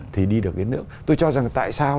thì đi được cái nước tôi cho rằng tại sao